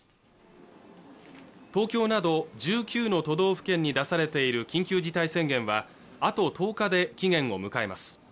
東京など１９の都道府県に出されている緊急事態宣言はあと１０日で期限を迎えます